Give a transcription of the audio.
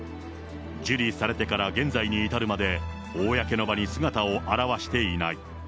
受理されてから現在に至るまで公の場に姿を現していない。